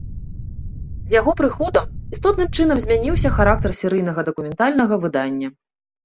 З яго прыходам істотным чынам змяніўся характар серыйнага дакументальнага выдання.